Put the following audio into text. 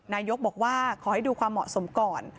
นายกบอกว่าขอให้ดูความเหมาะสมก่อน